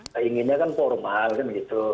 keinginannya kan formal kan gitu